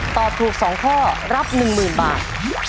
ตอบถูก๒ข้อรับ๑๐๐๐บาท